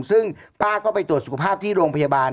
ซึ่งป้าก็ไปตรวจสุขภาพที่โรงพยาบาล